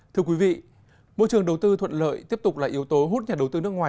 thưa quý vị môi trường đầu tư thuận lợi tiếp tục là yếu tố hút nhà đầu tư nước ngoài